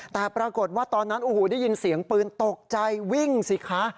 แต่ปรากฏว่าตอนนั้นโอ้โหได้ยินเสียงปืนตกใจวิ่งสิคะ